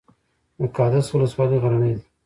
د قادس ولسوالۍ غرنۍ ده